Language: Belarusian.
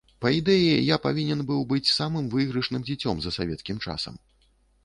Па ідэі я павінен быў быць самым выйгрышным дзіцем за савецкім часам.